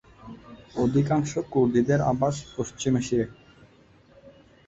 অধিকাংশ কুর্দিদের আবাস পশ্চিম এশিয়ায়।